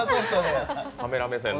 カメラ目線で。